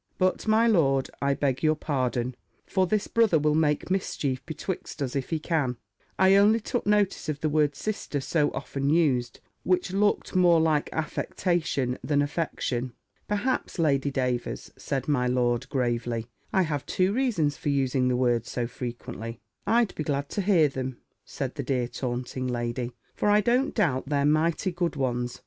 But, my lord, I beg your pardon; for this brother will make mischief betwixt us if he can I only took notice of the word Sister so often used, which looked more like affectation than affection." "Perhaps, Lady Davers," said my lord, gravely, "I have two reasons for using the word so frequently." "I'd be glad to hear them," said the dear taunting lady; "for I don't doubt they're mighty good ones.